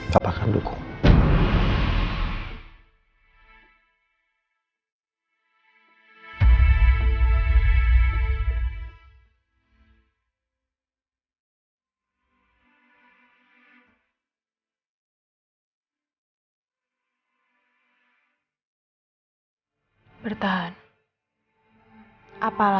papa akan dukung